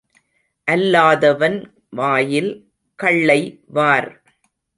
அல்லாதவன் வாயில் கள்ளை வார்.